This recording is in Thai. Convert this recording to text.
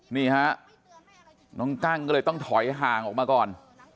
นี่ฮะน้องกั้งก็เลยต้องถอยห่างออกมาก่อน